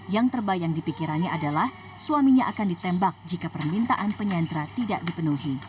yang terbayang di pikirannya adalah suaminya akan ditembak jika permintaan penyandra tidak dipenuhi